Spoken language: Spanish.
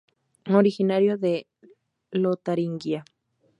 Originario de Lotaringia.